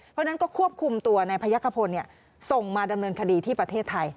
เพราะฉะนั้นก็ควบคุมตัวนายพยักขพลส่งมาดำเนินคดีที่ประเทศไทย